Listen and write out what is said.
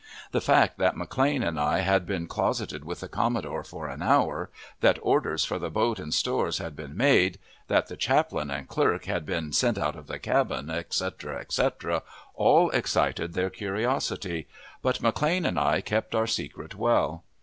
The fact that McLane and I had been closeted with the commodore for an hour, that orders for the boat and stores had been made, that the chaplain and clerk had been sent out of the cabin, etc., etc., all excited their curiosity; but McLane and I kept our secret well.